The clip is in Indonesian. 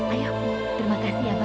ayahmu terima kasih ya pak